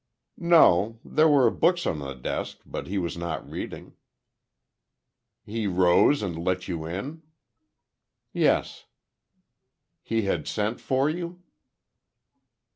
"No; there were books on the desk, but he was not reading." "He rose and let you in?" "Yes." "He had sent for you?"